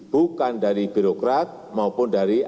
bukan dari birokrat bukan dari politik bukan dari politik